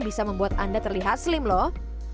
bisa membuat anda terlihat slim loh